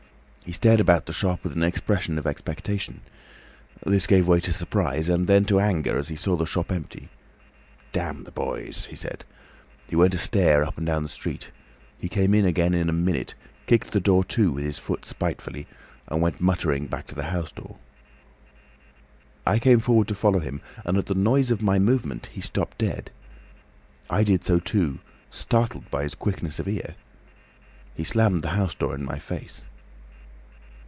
He stared about the shop with an expression of expectation. This gave way to surprise, and then to anger, as he saw the shop empty. 'Damn the boys!' he said. He went to stare up and down the street. He came in again in a minute, kicked the door to with his foot spitefully, and went muttering back to the house door. "I came forward to follow him, and at the noise of my movement he stopped dead. I did so too, startled by his quickness of ear. He slammed the house door in my face.